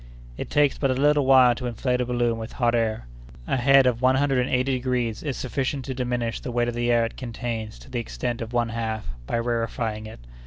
It takes but a little while to inflate a balloon with hot air. A head of one hundred and eighty degrees is sufficient to diminish the weight of the air it contains to the extent of one half, by rarefying it.